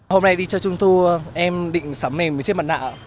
hôm nay đi chơi trung thu em định sắm mềm